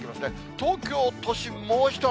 東京都心、もう一雨